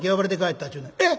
「えっ！